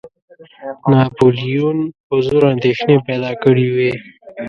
ناپولیون حضور اندېښنې پیدا کړي وې.